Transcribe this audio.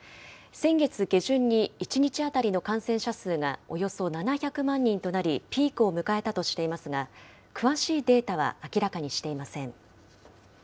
先月下旬に１日当たりの感染者数がおよそ７００万人となり、ピークを迎えたとしていますが、詳しいデータは明らかにしていません。